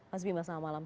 mas bima selamat malam